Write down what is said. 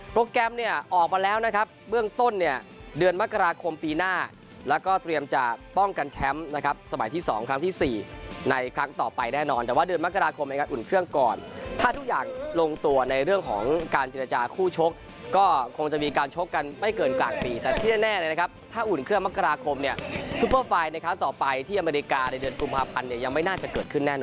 โปรแกรมเนี่ยออกมาแล้วนะครับเบื้องต้นเนี่ยเดือนมักราคมปีหน้าแล้วก็เตรียมจะป้องกันแชมป์นะครับสมัยที่สองครั้งที่สี่ในครั้งต่อไปแน่นอนแต่ว่าเดือนมักราคมในครั้งอุ่นเครื่องก่อนถ้าทุกอย่างลงตัวในเรื่องของการจินจาคู่ชกก็คงจะมีการชกกันไม่เกินกว่างปีแต่ที่แน่เลยนะครับถ้าอุ่นเครื่องมัก